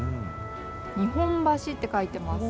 日本橋って書いてます。